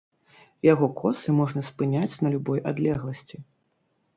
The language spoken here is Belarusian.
Яго косы можна спыняць на любой адлегласці.